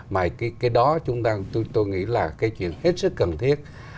mà cái đó chúng tôi nghĩ là cái chuyện hết sức cần thiết